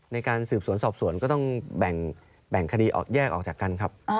ในการสืบสวนสอบสวนก็ต้องแบ่งคดีแยกออกจากกันครับ